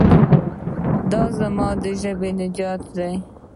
دا زموږ د ژبې نجات دی.